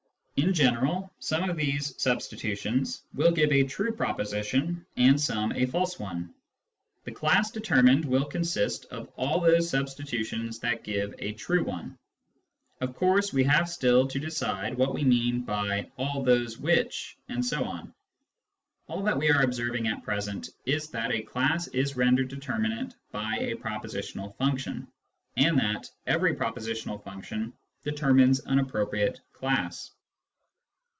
In general, some of these substitutions will give a true proposition and some a false one. The class determined will consist of all those substitutions that give a true one. Of course, we have still to decide what we mean by " all those which, etc." All that Classes 185 we are observing at present is that a class is rendered determinate by a prepositional function, and that every propositional function determines an appropriate class.